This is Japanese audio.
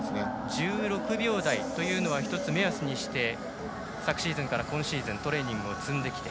１６秒台というのは１つ目安にして昨シーズンから今シーズントレーニングを積んできて。